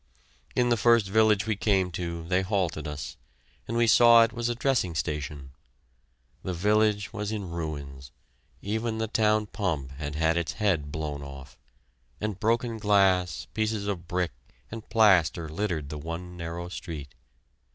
In the first village we came to, they halted us, and we saw it was a dressing station. The village was in ruins even the town pump had had its head blown off! and broken glass, pieces of brick, and plaster littered the one narrow street.